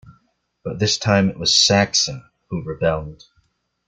But this time it was Saxon who rebelled.